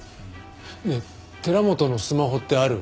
ねえ寺本のスマホってある？